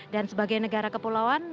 dan sebagai negara kepulauan